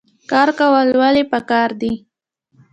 کار کول ولې پکار دي؟